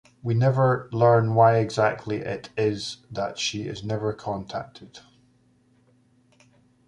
We never learn why exactly it is that she is never contacted.